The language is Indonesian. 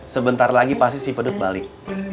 sebentar lagi pasti si peduk balik